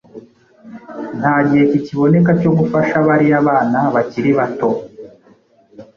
nta gihe kikiboneka cyo gufasha bariya bana bakiri bato